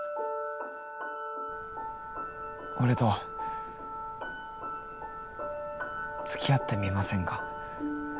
俺とつきあってみませんか？